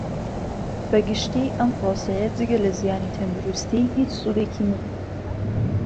بە گشتی ئەم پڕۆسەیە جگە لە زیانی تەندروستی ھیچ سودێکی نییە